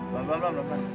belum belum belum